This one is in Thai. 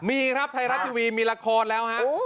มีครับไทยรัฐทีวีมีละครแล้วฮะ